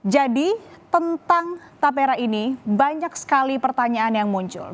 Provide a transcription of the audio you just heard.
jadi tentang tapera ini banyak sekali pertanyaan yang muncul